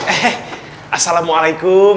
eh eh assalamualaikum